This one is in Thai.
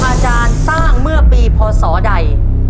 อาจารย์สร้างเมื่อปีพศใด